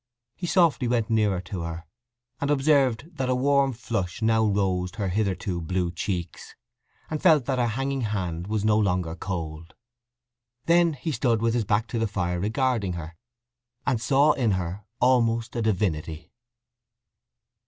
He softly went nearer to her, and observed that a warm flush now rosed her hitherto blue cheeks, and felt that her hanging hand was no longer cold. Then he stood with his back to the fire regarding her, and saw in her almost a divinity.